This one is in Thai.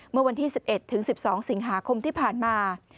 เมื่อวันที่๑๑ถึง๑๒สิงหาคมที่ผ่านมา